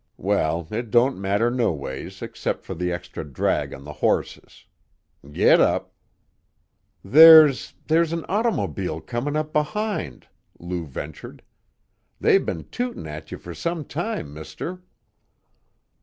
Well, it don't matter noways except for the extra drag on the horses. Giddap!" "There's there's an ottermobile comin' up behind," Lou ventured. "They been tootin' at you for some time, mister."